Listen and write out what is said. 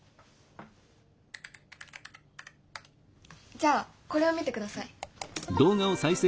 じゃあこれを見てください。